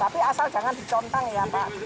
tapi asal jangan dicontang ya pak